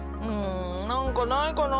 何かないかな。